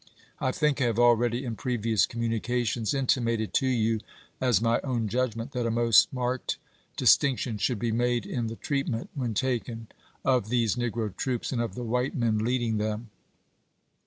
I think I have already in previous communications intimated to you, as my own judgment, that a most marked distinction should be made in the treatment, when taken, of these negro troops and of the white men leading them.